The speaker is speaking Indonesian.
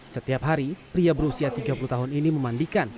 setiap hari pria berusia tiga puluh tahun ini memandikan